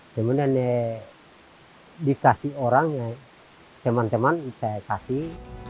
kemudian dikasih orang yang teman teman saya kasih